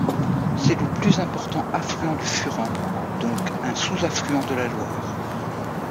C'est le plus important affluent du Furan, donc un sous-affluent de la Loire.